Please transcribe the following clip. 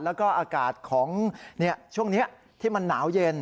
แล้วก็อากาศของช่วงนี้ที่มันหนาวเย็น